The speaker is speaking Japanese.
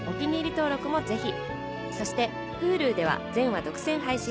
登録もぜひそしてＨｕｌｕでは全話独占配信